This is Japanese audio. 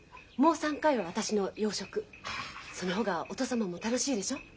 その方がお義父様も楽しいでしょ？